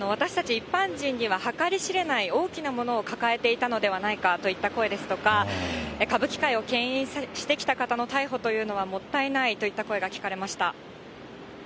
一般人には計り知れない大きなものを抱えていたのではないかといった声ですとか、歌舞伎界をけん引してきた方の逮捕というのは、もったいないといった声が聞かれました。